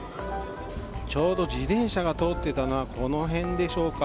ちょうど自転車が通っていたのはこの辺でしょうか。